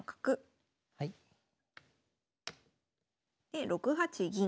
で６八銀。